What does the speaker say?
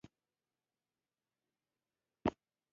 تاسو باید د خپلو والدینو د خدمت او درناوۍ لپاره تل چمتو اوسئ